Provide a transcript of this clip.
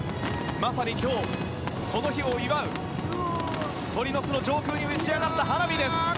まさに今日この日を祝う鳥の巣の上空に打ち上がった花火です。